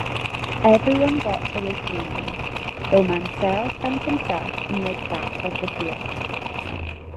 Everyone got away cleanly, though Mansell found himself near the back of the field.